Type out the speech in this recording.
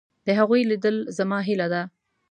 د هغوی لیدل زما هیله ده.